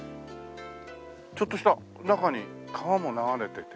ちょっとした中に川も流れてて。